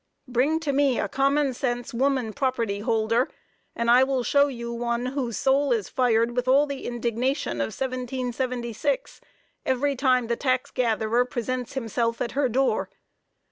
Bring to me a common sense woman property holder, and I will show you one whose soul is fired with all the indignation of 1776 every time the tax gatherer presents himself at her door.